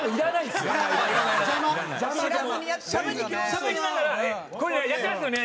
しゃべりながら「これやってますよね」